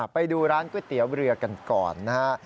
ไปดูร้านก๋วยเตี๋ยวเรือกันก่อนนะฮะ